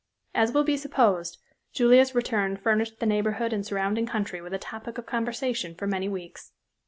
As will be supposed, Julia's return furnished the neighborhood and surrounding country with a topic of conversation for many weeks.